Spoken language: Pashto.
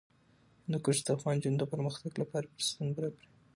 هندوکش د افغان نجونو د پرمختګ لپاره فرصتونه برابروي.